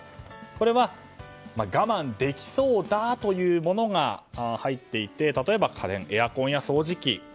これは我慢できそうだというものが入っていて例えば家電、エアコンや掃除機。